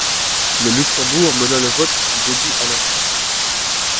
Le Luxembourg mena le vote du début à la fin.